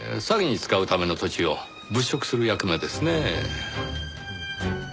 詐欺に使うための土地を物色する役目ですねぇ。